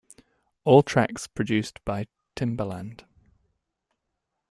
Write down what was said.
All tracks produced by Timbaland.